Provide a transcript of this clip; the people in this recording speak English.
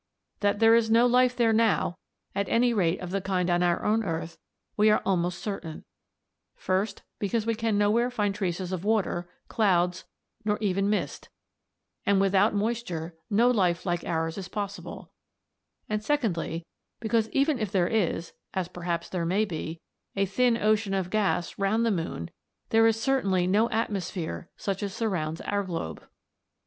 That there is no life there now, at any rate of the kind on our own earth, we are almost certain; first, because we can nowhere find traces of water, clouds, nor even mist, and without moisture no life like ours is possible; and secondly, because even if there is, as perhaps there may be, a thin ocean of gas round the moon there is certainly no atmosphere such as surrounds our globe.